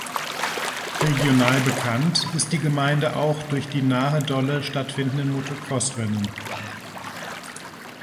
Regional bekannt ist die Gemeinde auch durch die nahe Dolle stattfindenden Motocrossrennen.